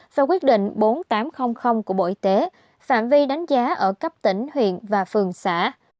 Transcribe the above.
theo quyết định bốn nghìn tám trăm linh của bộ y tế phạm vi đánh giá ở cấp tỉnh huyện và phường xã